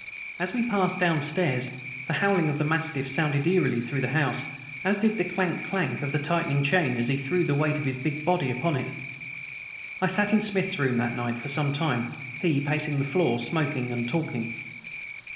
As we passed downstairs the howling of the mastiff sounded eerily through the house, as did the clank clank of the tightening chain as he threw the weight of his big body upon it. I sat in Smith's room that night for some time, he pacing the floor smoking and talking.